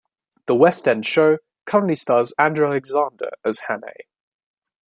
The West End show currently stars Andrew Alexander as Hannay.